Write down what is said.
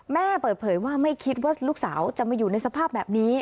เปิดเผยว่าไม่คิดว่าลูกสาวจะมาอยู่ในสภาพแบบนี้